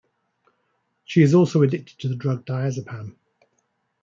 She is also addicted to the drug diazepam.